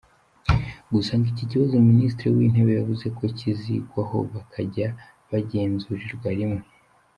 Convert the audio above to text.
Gusa ngo iki kibazo Minisitiri w’Intebe yavuze ko kizigwaho bakajya bagenzurirwa rimwe.